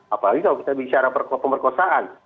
apalagi kalau kita bicara pemerkosaan